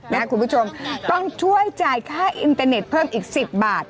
คุณผู้ชมต้องช่วยจ่ายค่าอินเตอร์เน็ตเพิ่มอีก๑๐บาท